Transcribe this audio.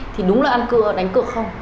thì đúng là ăn cựa đánh cựa không